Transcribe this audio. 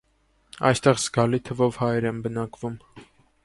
Այստեղ զգալի թվով հայեր են բնակվում։